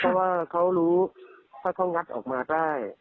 เพราะว่าเขารู้ถ้าเขางัดออกมาได้